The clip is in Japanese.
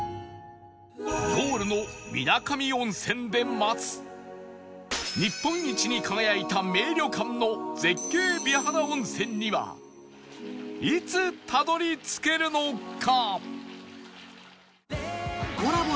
ゴールの水上温泉で待つ日本一に輝いた名旅館の絶景美肌温泉にはいつたどり着けるのか？